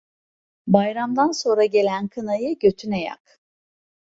Bayramdan sonra gelen kınayı götüne yak.